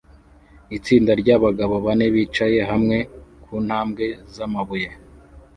Itsinda ryabagabo bane bicaye hamwe kuntambwe zamabuye